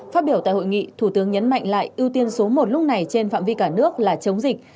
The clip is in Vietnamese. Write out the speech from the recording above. phát biểu tại hội nghị thủ tướng nhấn mạnh lại ưu tiên số một lúc này trên phạm vi cả nước là chống dịch